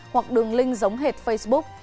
hoặc đường link giống hệt facebook